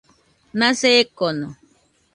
Nase ekono.